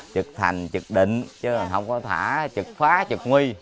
trực thành trực định chứ không có thả trực phá trực nguy